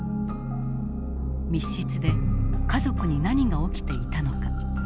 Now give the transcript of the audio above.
密室で家族に何が起きていたのか。